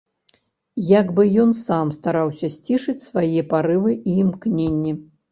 Як бы ён сам стараўся сцішыць свае парывы і імкненні.